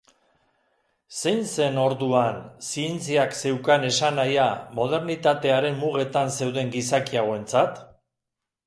Zein zen, orduan, zientziak zeukan esanahia modernitatearen mugetan zeuden gizaki hauentzat?